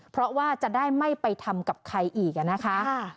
เพราะว่าจะได้ไม่ไปทำกับใครอีกนะคะ